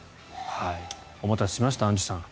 お待たせしましたアンジュさん。